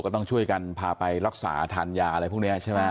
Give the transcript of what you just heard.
ต้องช่วยกันพาไปรักษาทานยาอะไรพวกนี้ใช่ไหม